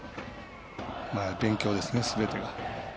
勉強ですね、すべてが。